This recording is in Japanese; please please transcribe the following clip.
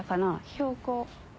標高。